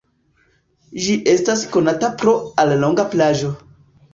Ĝi estas konata pro alloga plaĝo.